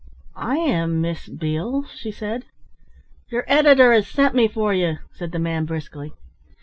"I am Miss Beale," she said. "Your editor has sent me for you," said the man briskly.